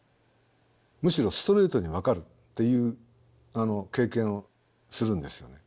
むしろストレートに分かるっていう経験をするんですよね。